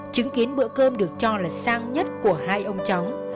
chứng kiến bữa cơm được cho là sang nhất của hai ông cháu